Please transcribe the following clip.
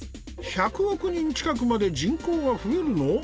１００億人近くまで人口は増えるの！？